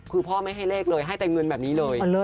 คือพ่อไม่ให้เลขเลยให้แต่เงินแบบนี้เลย